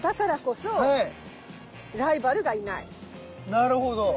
なるほど。